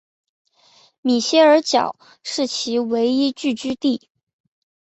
米歇尔角是其唯一聚居地。